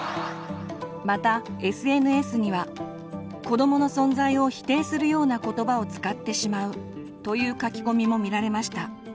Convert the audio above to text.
子どもの存在を否定するような言葉を使ってしまうという書き込みも見られました。